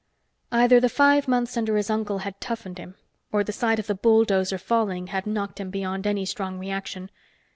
Either the five months under his uncle had toughened him, or the sight of the bulldozer falling had knocked him beyond any strong reaction.